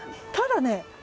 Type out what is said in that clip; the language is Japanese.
ただね